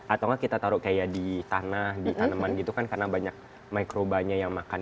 atau nggak kita taruh kayak di tanah di tanaman gitu kan karena banyak microbanya yang makan